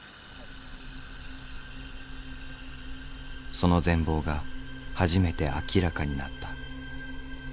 その全貌が初めて明らかになった。